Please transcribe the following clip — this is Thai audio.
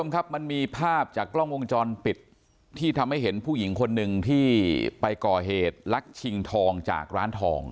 ครับมันมีภาพจากกล้องวงจรปิดที่ทำให้เห็นผู้หญิงคนหนึ่งที่ไปก่อเหตุลักชิงทองจากร้านทอง